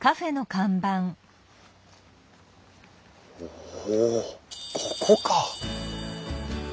おおここか！